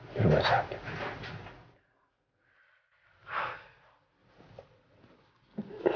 di rumah sakit